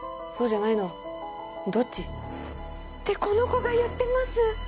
そうじゃないの？どっち？ってこの子が言ってます。